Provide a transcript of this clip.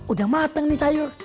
udah mateng nih sayur